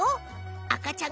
あかちゃん